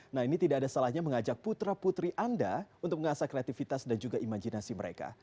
nah ini tidak ada salahnya mengajak putra putri anda untuk mengasah kreativitas dan juga imajinasi mereka